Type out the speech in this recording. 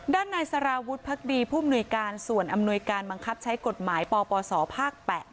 ด้านในสารวุฒิพักดีผู้อำนวยการส่วนอำนวยการบังคับใช้กฎหมายปปศภาค๘